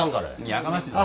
やかましわ。